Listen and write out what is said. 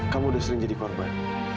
kamu udah sering jadi korban